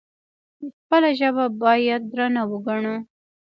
خپله ژبه باید درنه وګڼو.